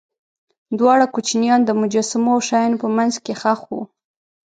دواړه کوچنیان د مجسمو او شیانو په منځ کې ښخ وو.